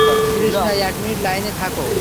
কৃষ্ণা, এক মিনিট লাইনে থাকো।